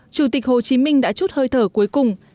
chủ tịch hồ chí minh đã chút hơi thở cuối cùng